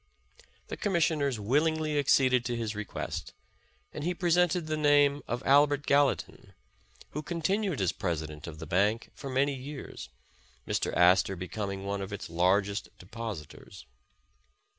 The commis sioners willingly acceded to his request, and he present ed the name of Albert Gallatin, who continued as Presi dent of the Bank for many years, Mr. Astor becoming one of its largest depositors.